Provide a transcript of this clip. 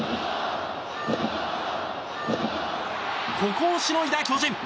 ここをしのいだ巨人。